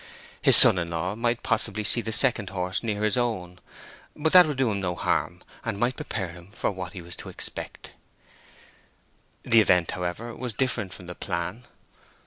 His son in law might possibly see the second horse near his own; but that would do him no harm, and might prepare him for what he was to expect. The event, however, was different from the plan.